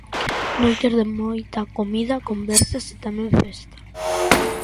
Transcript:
Noites de moita comida, conversas e tamén festa.